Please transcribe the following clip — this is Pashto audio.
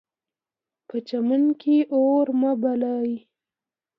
په چمن کې اور مه بلئ.